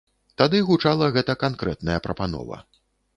Тады гучала гэта канкрэтная прапанова.